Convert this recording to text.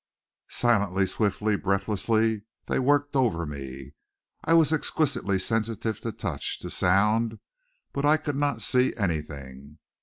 Silently, swiftly, breathlessly they worked over me. I was exquisitely sensitive to touch, to sound, but I could not see anything.